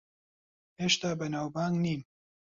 هێشتا بەناوبانگ نیم.